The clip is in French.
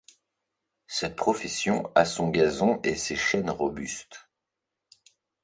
Cette profession a son gazon et ses chênes robustes.